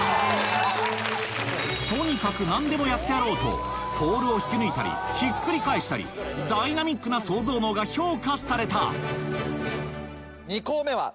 とにかく何でもやってやろうとポールを引き抜いたりひっくり返したりダイナミックなソウゾウ脳が評価された２校目は。